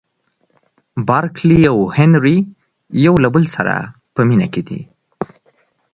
بارکلي او هنري یو له بل سره په مینه کې دي.